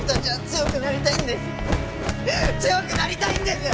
強くなりたいんです！